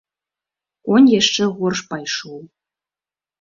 Конь яшчэ горш пайшоў.